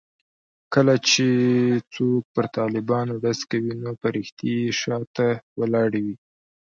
کله چې څوک پر طالبانو ډز کوي نو فرښتې یې شا ته ولاړې وي.